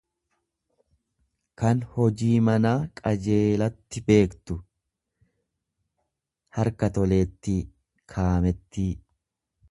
tan hojii manaa qajeelatti beektu, harka toleettii, kaamettii.